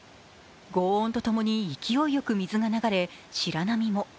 ごう音と共に勢いよく水が流れ、白波も。